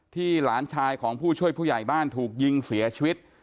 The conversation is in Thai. หลานชายของผู้ช่วยผู้ใหญ่บ้านถูกยิงเสียชีวิต